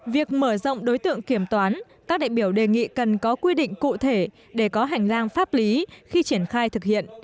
việc mở rộng đối tượng kiểm toán các đại biểu đề nghị cần có quy định cụ thể để có hành lang pháp lý khi triển khai thực hiện